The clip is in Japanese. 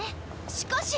しかし。